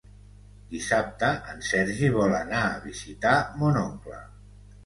Dissabte en Sergi vol anar a visitar mon oncle.